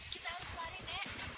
kita harus lari nek